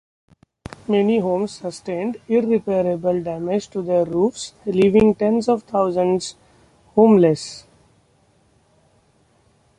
Many homes sustained irreparable damage to their roofs, leaving tens of thousands homeless.